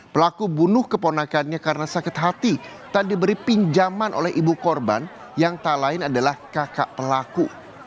pelaku bunuh keponakannya karena sakit hati tak diberi pinjaman oleh ibu korban yang tak lain adalah kakak pelaku